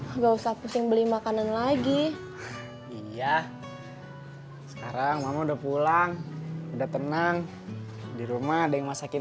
enggak usah pusing beli makanan lagi iya sekarang mama udah pulang udah tenang di rumah ada yang masakin